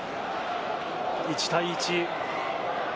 １対１。